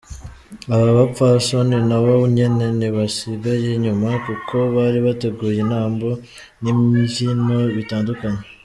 Aba bapfasoni na bo nyene ntibasigaye inyuma, kuko bari bateguye intambo n’imvyino bitandukanye.